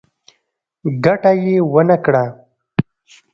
ګټه یې ونه کړه.